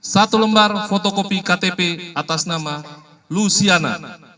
satu lembar fotokopi ktp atas nama luciana